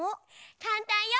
かんたんよ！